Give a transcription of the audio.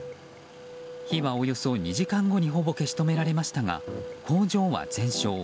火はおよそ２時間後にほぼ消し止められましたが工場は全焼。